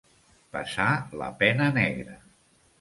Passar la pena negra.